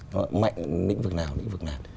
nó mạnh những vực nào những vực nào